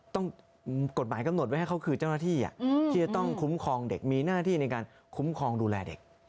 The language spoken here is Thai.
กฎหมายกำหนดไว้ให้เขาคือเจ้าหน้าที่ที่จะต้องคุ้มครองเด็กมีหน้าที่ในการคุ้มครองดูแลเด็ก